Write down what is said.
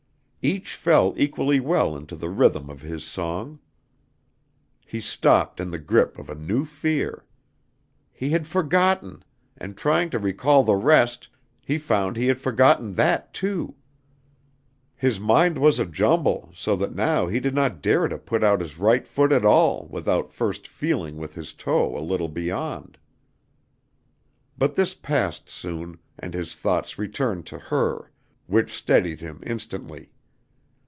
Each fell equally well into the rhythm of his song. He stopped in the grip of a new fear. He had forgotten, and, trying to recall the rest, he found he had forgotten that too. His mind was a jumble so that now he did not dare to put out his right foot at all without first feeling with his toe a little beyond. But this passed soon, and his thoughts returned to her, which steadied him instantly.